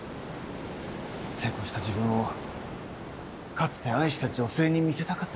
成功した自分をかつて愛した女性に見せたかったんでしょうね。